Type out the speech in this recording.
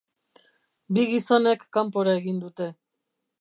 Bi gizonek kanpora egin dute.